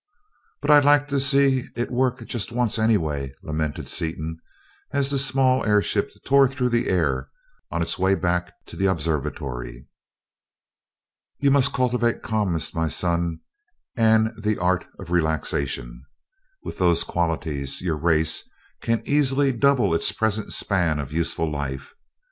"But I'd have liked to see it work just once, anyway," lamented Seaton as the small airship tore through the air on its way back to the observatory. "You must cultivate calmness, my son, and the art of relaxation. With those qualities your race can easily double its present span of useful life.